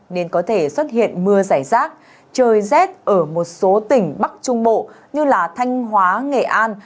nên có thể xuất hiện mưa rải rác trời rét ở một số tỉnh bắc trung bộ như thanh hóa nghệ an